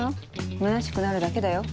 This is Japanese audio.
むなしくなるだけだよ。